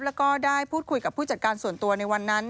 แล้วก็ได้พูดคุยกับผู้จัดการส่วนตัวในวันนั้น